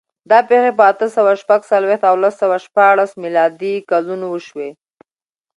دا پېښې په اته سوه شپږ څلوېښت او لس سوه شپاړس میلادي کلونو وشوې.